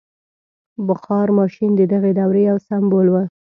• بخار ماشین د دغې دورې یو سمبول و.